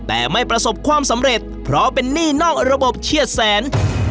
แต่ไม่ประสบความสำเร็จเพราะเป็นหนี้นอกระบบเชียดแสน